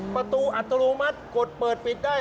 ประตูอัตโนมัติกดเปิดปิดได้